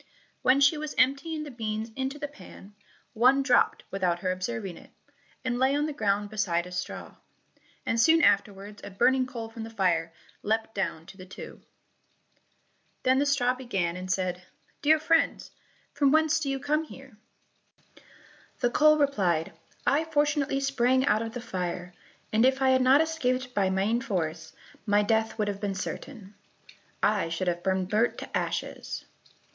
When she was emptying the beans into the pan, one dropped without her observing it, and lay on the ground beside a straw, and soon afterwards a burning coal from the fire leapt down to the two. Then the straw began and said, "Dear friends, from whence do you come here?" The coal replied, "I fortunately sprang out of the fire, and if I had not escaped by main force, my death would have been certain,—I should have been burnt to ashes."